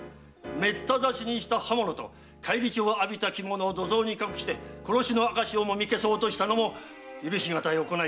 めった刺しにした刃物と返り血を浴びた着物を蔵に隠し殺しの証をもみ消そうとしたのも許しがたい行いでございます。